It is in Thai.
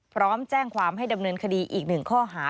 พร้อมแจ้งความให้ดำเนินคดีอีกหนึ่งข้อหา